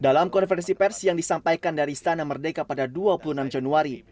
dalam konferensi pers yang disampaikan dari istana merdeka pada dua puluh enam januari